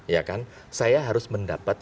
ya kan saya harus mendapat